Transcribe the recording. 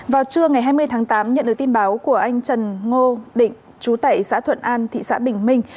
vào trưa ngày hai mươi tháng tám nhận được tin báo của anh trần ngô định chú tẩy xã thuận an thị xã bình minh